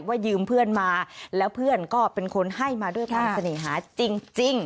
ยืมเพื่อนมาแล้วเพื่อนก็เป็นคนให้มาด้วยความเสน่หาจริง